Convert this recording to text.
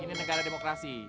ini negara demokrasi